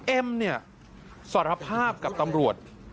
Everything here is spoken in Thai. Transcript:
เอมสารภาพกับตำรวจ